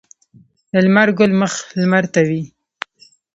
د لمر ګل مخ لمر ته وي.